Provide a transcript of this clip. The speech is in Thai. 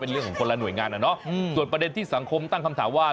เรื่องของคนละหน่วยงานอะเนาะส่วนประเด็นที่สังคมตั้งคำถามว่า